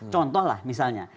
contoh lah misalnya